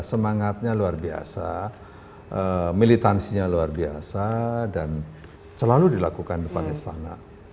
semangatnya luar biasa militansinya luar biasa dan selalu dilakukan di depan istana